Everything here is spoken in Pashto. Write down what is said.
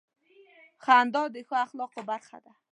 • خندا د ښو اخلاقو برخه ده.